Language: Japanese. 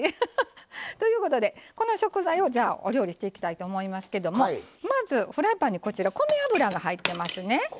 ということでこの食材をお料理していきたいと思いますけどもまずフライパンにこちら米油が入ってますね。